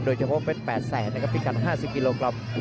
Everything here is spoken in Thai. โดยเฉพาะเป็นแปดแสนในการพิกัน๕๐กิโลกรัม